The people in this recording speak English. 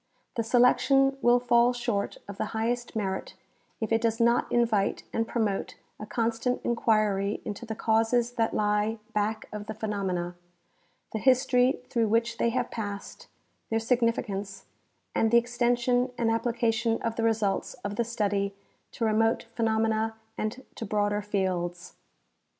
The selection will fall short of the highest merit if it does not invite and promote a constant inquiry into the causes that lie back of the phenomena, the history through which they have passed, their significance, and the extension and application of the results of the study to remote phenomena and to broader fields.